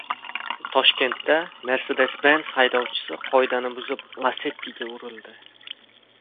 Toshkentda "Mercedes-Benz" haydovchisi qoidani buzib, "Lacetti"ga urildi